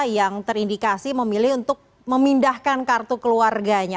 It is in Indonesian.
yang terindikasi memilih untuk memindahkan kartu keluarganya